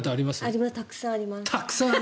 たくさんあります。